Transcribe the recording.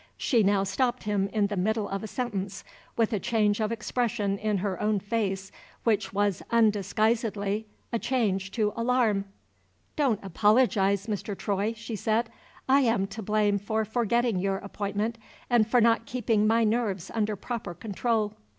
She now stopped him in the middle of a sentence, with a change of expression in her own face which was undisguisedly a change to alarm. "Don't apologize, Mr. Troy," she said. "I am to blame for forgetting your appointment and for not keeping my nerves under proper control."